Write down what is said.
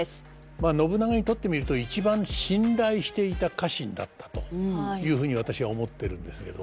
まあ信長にとってみると一番信頼していた家臣だったというふうに私は思ってるんですけど。